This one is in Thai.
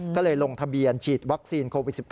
ก็เลยลงทะเบียนฉีดวัคซีนโควิด๑๙